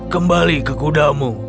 kembali ke kudamu